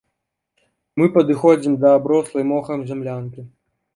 Мы падыходзім да аброслай мохам зямлянкі.